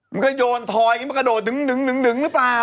มันก็โยนถอยมากระโดดหนึ่งหรือเปล่า